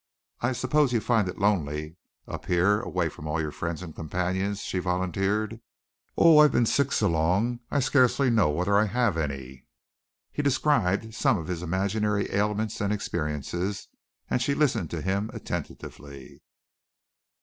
"I suppose you find it lonely up here away from all your friends and companions," she volunteered. "Oh, I've been sick so long I scarcely know whether I have any." He described some of his imaginary ailments and experiences and she listened to him attentively.